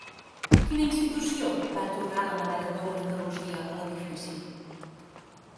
Quina institució va atorgar la Medalla d'Or d'Andalusia a l'edifici?